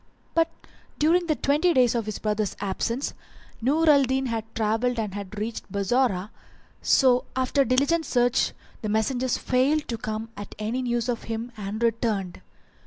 But during the twenty days of his brother's absence Nur al Din had travelled far and had reached Bassorah; so after diligent search the messengers failed to come at any news of him and returned.